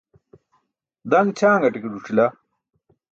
Daṅ ćʰangate ke ẓuc̣ila.